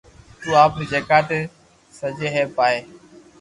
تو آپ ري جگھ تي سڄي ھي بائي